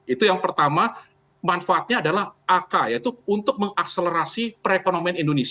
itu yang pertama manfaatnya adalah ak yaitu untuk mengakselerasi perekonomian indonesia